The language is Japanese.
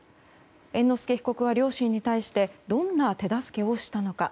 猿之助被告は両親に対してどんな手助けをしたのか。